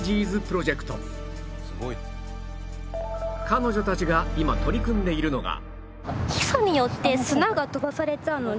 彼女たちが今取り組んでいるのが